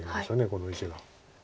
この石が。